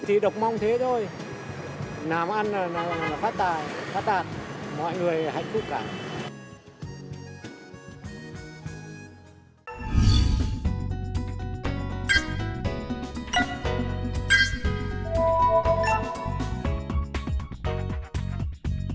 chỉ đọc mong thế thôi nào mà ăn là phát tạt phát tạt mọi người hạnh phúc cả